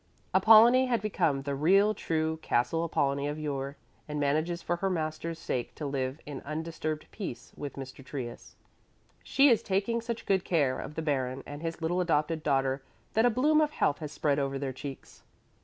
Apollonie has become the real, true Castle Apollonie of yore and manages for her master's sake to live in undisturbed peace with Mr. Trius. She is taking such good care of the Baron and his little adopted daughter that a bloom of health has spread over their cheeks.